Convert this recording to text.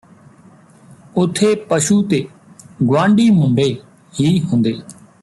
ਉਥੇ ਪਸ਼ੂ ਤੇ ਗੁਆਂਢੀ ਮੁੰਡੇ ਹੀ ਹੁੰਦੇ